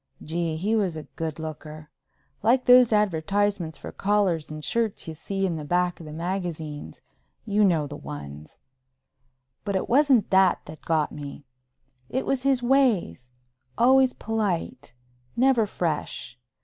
Gee—he was a good looker! Like those advertisements for collars and shirts you see in the back of the magazines—you know the ones. But it wasn't that that got me. It was his ways, always polite, never fresh.